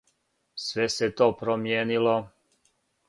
Све се то промијенило.